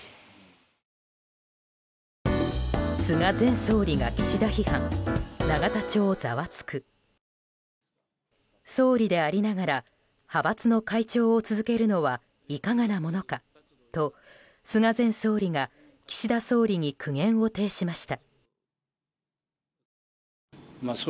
総理でありながら派閥の会長を続けるのはいかがなものかと菅前総理が岸田総理に苦言を呈しました。